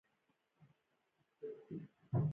د فرانسې تر انقلاب وروسته یوه کوچنۍ ډله واک ته ورسېده.